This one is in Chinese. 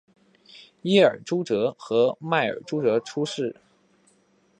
耶尔朱哲和迈尔朱哲出世。